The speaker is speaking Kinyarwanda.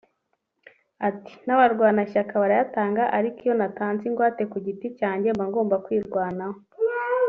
Ati “N’abarwanashyaka barayatanga ariko iyo natanze ingwate ku giti cyanjye mba ngombwa kwirwanaho